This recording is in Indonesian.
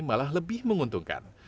malah lebih menguntungkan